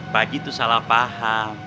pak ji itu salah paham